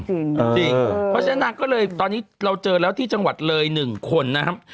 เพราะฉะนั้นนางก็เลยตอนนี้เราเจอแล้วที่จังหวัดเลย๑คนนะครับ